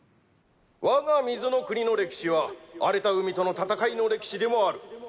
我が水の国の歴史は荒れた海との戦いの歴史でもある。